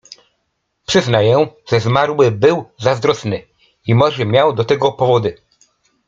"Przyznaję, że zmarły był zazdrosny i może miał do tego powody."